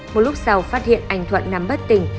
một lúc sau phát hiện anh thuận nằm bất tỉnh